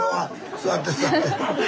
座って座って。